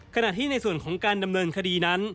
ขณะที่ในส่วนของการดำเนินคดีนั้น